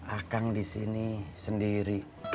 akang disini sendiri